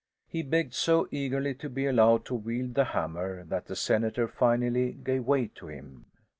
He begged so eagerly to be allowed to wield the hammer that the senator finally gave way to him.